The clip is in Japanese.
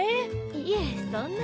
いえそんな。